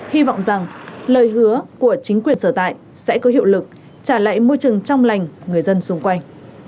hy vọng rằng lời hứa của chính quyền sở tại sẽ có hiệu lực trả lại môi trường trong lành người dân xung quanh